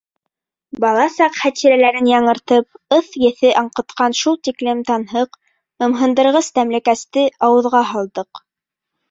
Бала саҡ хәтирәләрен яңыртып, ыҫ еҫе аңҡытҡан шул тиклем танһыҡ, ымһындырғыс тәмлекәсте ауыҙға һалдыҡ...